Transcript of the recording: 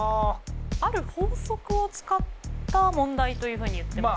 ある法則を使った問題というふうに言ってましたよね。